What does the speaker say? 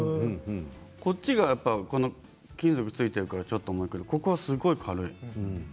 こっちが金属がついているからちょっと重いけどここはすごく軽い。